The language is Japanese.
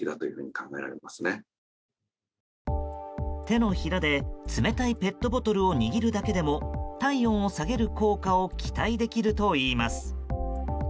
手のひらで冷たいペットボトルを握るだけでも体温を下げる効果を期待できるといいます。